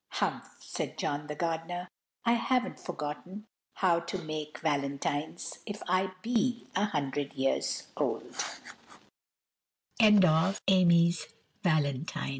"Humph!" said John the gardener, "I haven't forgotten how to make valentines, if I be a hundred years old!" ONCE UPON A TIME.